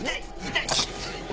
痛い！